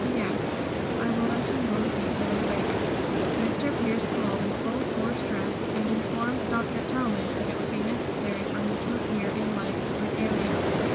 "P.S. I will let you know the details later." Mr. Pierce called in full court dress and informed Dr. Talmage that it would be necessary for him to appear in like regalia.